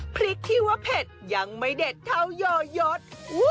พริกที่ว่าเผ็ดยังไม่เด็ดเท่ายอยศ